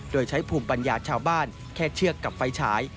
โดยใช้ภูมิปัญญาชาวบ้านแค่เชือกกับไฟฉาย